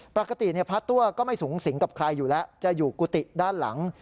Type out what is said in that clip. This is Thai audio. ปกติพระตัวก็ไม่สูงสิงกับใครอยู่แล้วจะอยู่กุฏิด้านหลัง